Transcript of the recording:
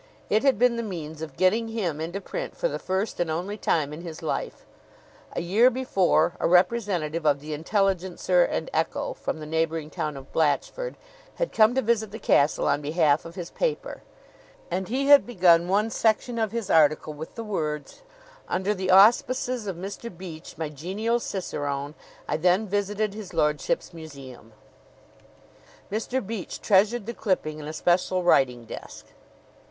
It had been the means of getting him into print for the first and only time in his life. A year before, a representative of the Intelligencer and Echo, from the neighboring town of Blatchford, had come to visit the castle on behalf of his paper; and he had begun one section of his article with the words: "Under the auspices of Mr. Beach, my genial cicerone, I then visited his lordship's museum " Mr. Beach treasured the clipping in a special writing desk.